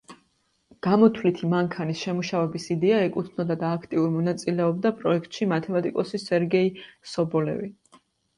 გამოთვლითი მანქანის შემუშავების იდეა ეკუთვნოდა და აქტიურ მონაწილეობდა პროექტში მათემატიკოსი სერგეი სობოლევი.